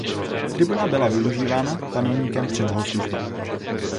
Tribuna byla využívána panovníkem při bohoslužbách.